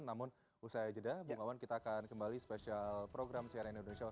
namun usai jeda bang wawan kita akan kembali special program crn indonesia